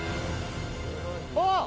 「あっ！」